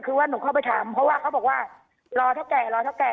คือว่าหนูเข้าไปถามเพราะว่าเขาบอกว่ารอเท่าแก่รอเท่าแก่